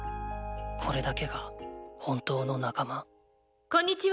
これだけが本当の仲間ーーこんにちは